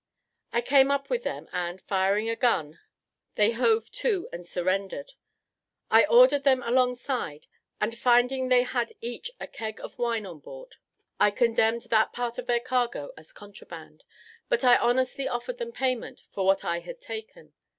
I came up with them, and, firing a gun, they hove to and surrendered. I ordered them alongside; and, finding they had each a keg of wine on board, I condemned that part of their cargo as contraband; but I honestly offered payment for what I had taken.